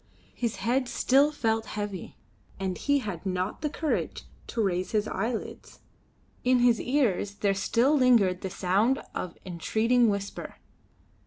His head still felt heavy, and he had not the courage to raise his eyelids. In his ears there still lingered the sound of entreating whisper.